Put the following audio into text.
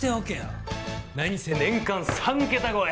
何せ年間３桁超え！